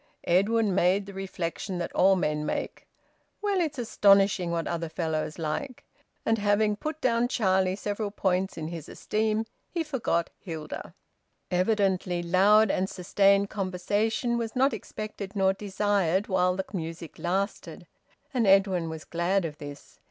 Edwin made the reflection that all men make: "Well, it's astonishing what other fellows like!" And, having put down Charlie several points in his esteem, he forgot Hilda. Evidently loud and sustained conversation was not expected nor desired while the music lasted. And Edwin was glad of this.